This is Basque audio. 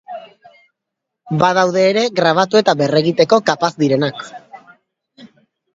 Badaude ere grabatu eta berregiteko kapaz direnak.